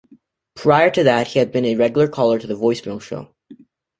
Prior to that, he had been a regular caller to the voicemail show.